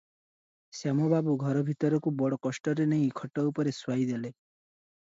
ଶ୍ୟାମ ବାବୁ ଘର ଭିତରକୁ ବଡ଼ କଷ୍ଟରେ ନେଇ ଖଟଉପରେ ଶୁଆଇ ଦେଲେ ।